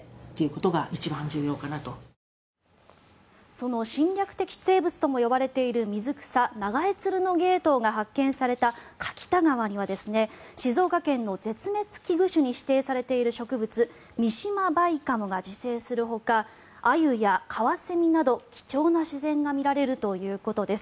その侵略的生物とも呼ばれている水草ナガエツルノゲイトウが発見された柿田川には静岡県の絶滅危惧種に指定されている植物ミシマバイカモが自生するほかアユやカワセミなど貴重な自然が見られるということです。